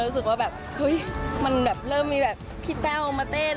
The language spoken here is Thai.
รู้สึกว่าแบบเฮ้ยมันแบบเริ่มมีแบบพี่แต้วมาเต้น